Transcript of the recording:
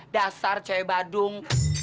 dasar cewe badung